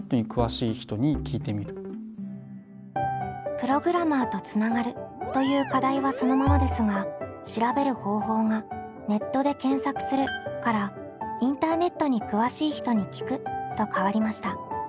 「プログラマーとつながる」という課題はそのままですが調べる方法が「ネットで検索する」から「インターネットに詳しい人に聞く」と変わりました。